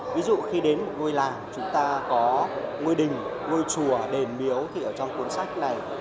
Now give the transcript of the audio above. ví dụ khi đến một ngôi làng chúng ta có ngôi đình ngôi chùa đền miếu thì ở trong cuốn sách này